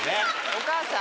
お母さん。